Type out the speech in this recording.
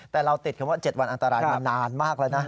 แต่เราติดคำว่า๗วันอันตรายมานานมากแล้วนะ